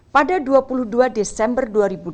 pada dua puluh dua desember dua ribu dua puluh